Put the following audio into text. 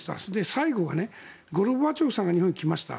最後はゴルバチョフさんが日本に来ました。